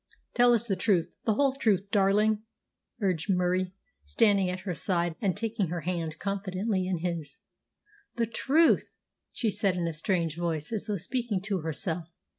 "Tell us the truth, the whole truth, darling," urged Murie, standing at her side and taking her hand confidently in his. "The truth!" she said, in a strange voice as though speaking to herself.